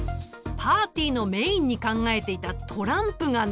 パーティーのメインに考えていたトランプがなかったのだ！